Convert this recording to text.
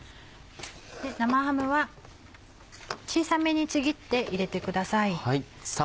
生ハムは小さめにちぎって入れてください。